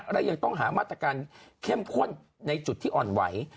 และยังต้องหามาตรการเข้มข้นในจุดที่อ่อนไหว